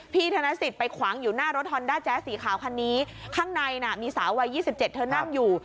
ธนสิทธิ์ไปขวางอยู่หน้ารถฮอนด้าแจ๊สสีขาวคันนี้ข้างในน่ะมีสาววัยยี่สิบเจ็ดเธอนั่งอยู่